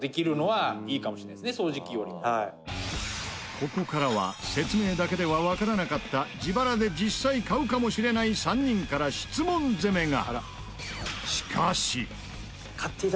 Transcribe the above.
ここからは説明だけではわからなかった自腹で実際買うかもしれない３人から質問攻めが！